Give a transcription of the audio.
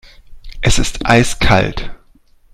Es ist eiskalt.